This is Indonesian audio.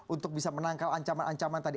untuk bisa menangkal ancaman ancaman tadi